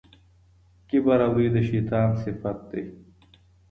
کبر او لويي د شيطان صفت دی.